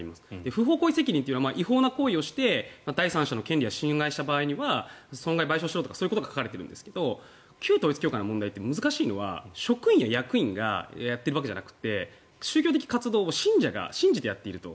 不法行為責任というのは違法な行為をして第三者の権利を侵害した場合は損害賠償するとかそういうことが書かれているんですが旧統一教会の問題で難しいのは職員や役員がやっているわけじゃなくて宗教的活動を信者が信じてやっていると。